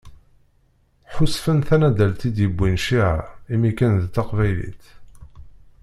Ḥusfen tanaddalt i d-yewwin cciɛa, imi kan d taqbaylit.